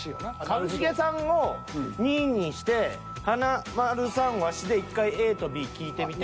一茂さんを２にして華丸さんワシで１回ＡとＢ聞いてみて。